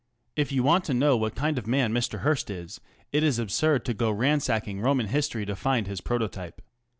If you want to know the kind of man Mr. Hearst is, it is absurd to go ransacking Roman history to find his prototype.